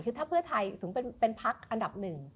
คือถ้าเพื่อไทยสมมุติเป็นพักอันดับหนึ่ง